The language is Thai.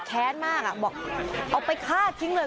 แค้นมากบอกเอาไปฆ่าทิ้งเลย